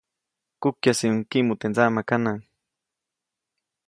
Kukyäjsiʼuŋ kiʼmu teʼ ndsaʼmakanaʼŋ.